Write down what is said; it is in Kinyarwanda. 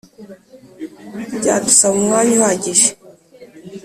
byadusaba umwanya uhagije